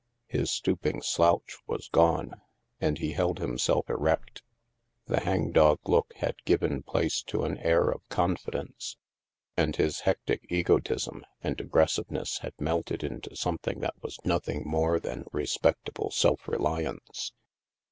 His stooping slouch was gone, and he held himself erect. The hangdog look had given place to an air of confidence, and his hectic egotism and aggressive ness had melted into something that was nothing more than respectable self reliance.